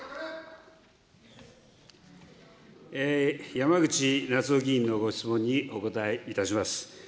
山口那津男議員のご質問にお答えいたします。